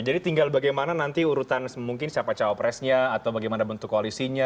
jadi tinggal bagaimana nanti urutan mungkin siapa cawapresnya atau bagaimana bentuk koalisinya